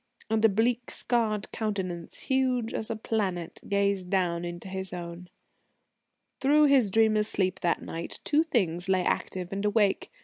And a bleak, scarred countenance, huge as a planet, gazed down into his own.... Through his dreamless sleep that night two things lay active and awake